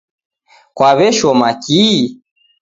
Kwaw'eshoma kihi?